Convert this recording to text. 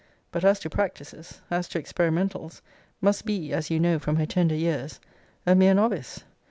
But as to practices, as to experimentals, must be, as you know from her tender years, a mere novice.